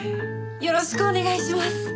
よろしくお願いします！